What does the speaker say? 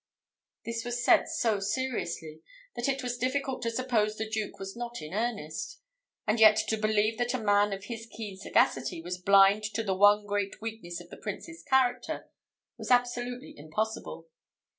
This was said so seriously, that it was difficult to suppose the Duke was not in earnest; and yet to believe that a man of his keen sagacity was blind to the one great weakness of the Prince's character was absolutely impossible.